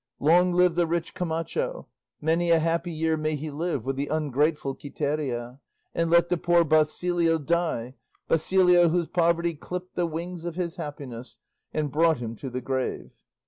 Long live the rich Camacho! many a happy year may he live with the ungrateful Quiteria! and let the poor Basilio die, Basilio whose poverty clipped the wings of his happiness, and brought him to the grave!"